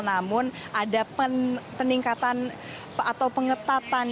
namun ada peningkatan atau pengetatan